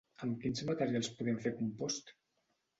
Amb quins materials podem fer compost?